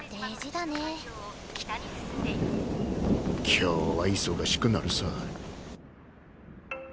今日は忙しくなるさ。